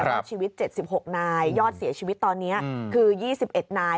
รอดชีวิต๗๖นายยอดเสียชีวิตตอนนี้คือ๒๑นาย